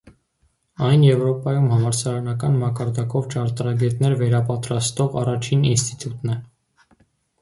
Այն եվրոպայում համալսարանական մակարդակով ճարտարագետներ վերապատրաստող առաջին ինստիտուտն է։